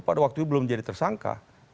pada waktu itu belum jadi tersangka